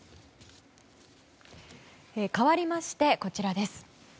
かわりましてこちらです。